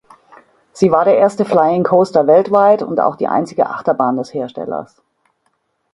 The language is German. Sie war der erste Flying Coaster weltweit und auch die einzige Achterbahn des Herstellers.